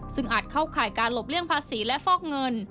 ซึ่งอาจเข้าข่ายการหลบเลี่ยงภาษีและฟอกเงิน